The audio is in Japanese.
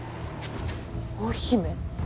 大姫。